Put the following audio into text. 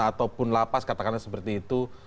ataupun lapas katakanlah seperti itu